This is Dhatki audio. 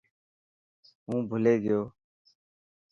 هون ڀلي گيو.